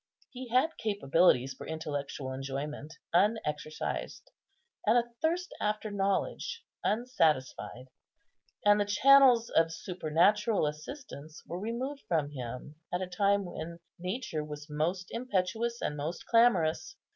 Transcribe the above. He had capabilities for intellectual enjoyment unexercised, and a thirst after knowledge unsatisfied. And the channels of supernatural assistance were removed from him at a time when nature was most impetuous and most clamorous.